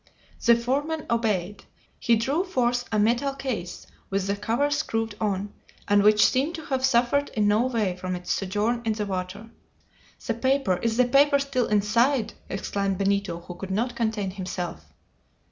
The foreman obeyed. He drew forth a metal case, with the cover screwed on, and which seemed to have suffered in no way from its sojourn in the water. "The paper! Is the paper still inside?" exclaimed Benito, who could not contain himself.